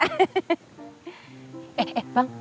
eh eh bang